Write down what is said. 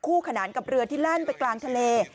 ขนานกับเรือที่แล่นไปกลางทะเล